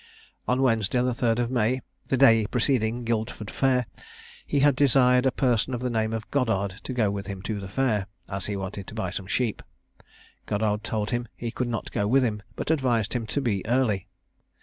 On Wednesday, the 3rd of May, the day preceding Guildford fair, he had desired a person of the name of Goddard to go with him to the fair, as he wanted to buy some sheep; Goddard told him he could not go with him, but advised him to be early.